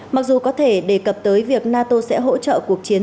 mặc dù có thể đề cập tới việc nato sẽ hỗ trợ cuộc chiến